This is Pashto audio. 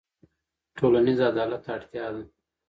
ټولنیز عدالت اړتیا ده.